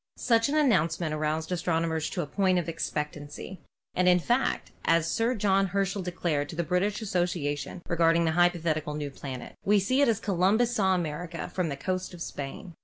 Such an announcement aroused astronomers to a point of expectancy, and in fact, as Sir John Herschel declared to the British Association regarding the hypothetical new planet, "We see it as Columbus saw America from the coast of Spain."